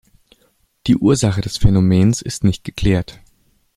Die Ursache des Phänomens ist nicht geklärt.